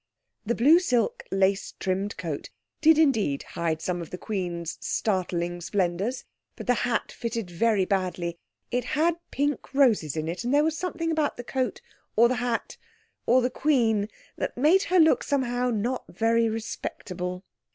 The blue silk, lace trimmed cloak did indeed hide some of the Queen's startling splendours, but the hat fitted very badly. It had pink roses in it; and there was something about the coat or the hat or the Queen, that made her look somehow not very respectable.